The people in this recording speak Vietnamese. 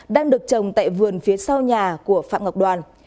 đang được trồng tại vườn phía sau nhà của phạm ngọc đoàn